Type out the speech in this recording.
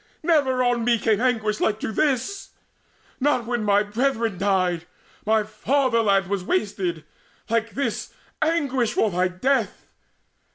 Never on me came anguish like to this Not when my brethren died, my fatherland Was wasted like this anguish for thy death!